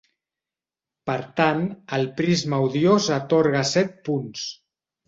Per tant, el prisma odiós atorga set punts.